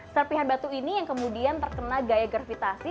serpihan batu ini yang kemudian terkena gaya gravitasi